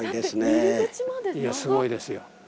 すごいですよ。